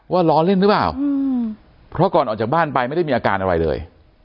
ล้อเล่นหรือเปล่าเพราะก่อนออกจากบ้านไปไม่ได้มีอาการอะไรเลย